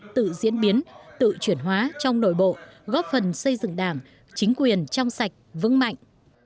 tự diễn biến tự chuyển hóa trong nội bộ góp phần xây dựng đảng chính quyền trong sạch vững mạnh